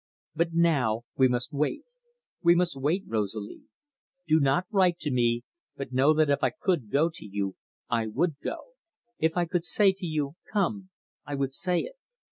But now, we must wait we must wait, Rosalie. Do not write to me, but know that if I could go to you I would go; if I could say to you, Come, I would say it.